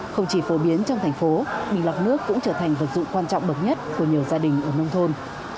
không chỉ phổ biến trong thành phố bình lọc nước cũng trở thành vật dụng quan trọng bậc nhất của nhiều gia đình ở nông thôn